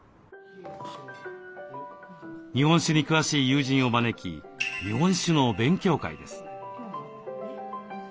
日本酒に詳しい友人を招き日本酒の勉強会です。